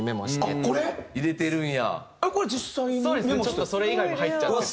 ちょっとそれ以外も入っちゃってて。